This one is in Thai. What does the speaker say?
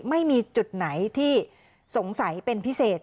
ไม่มีจุดไหนที่สงสัยเป็นพิเศษ